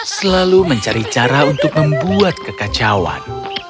selalu mencari cara untuk membuat kekacauan